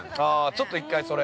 ◆ちょっと一回それ。